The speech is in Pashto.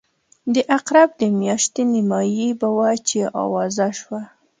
د عقرب د میاشتې نیمایي به وه چې آوازه شوه.